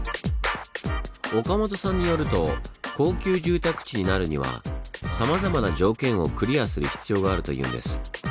岡本さんによると高級住宅地になるにはさまざまな条件をクリアする必要があるというんです。